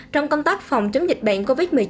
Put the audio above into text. trong công tác phòng chống dịch bệnh covid một mươi chín